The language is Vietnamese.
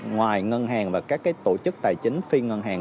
ngoài ngân hàng và các tổ chức tài chính phi ngân hàng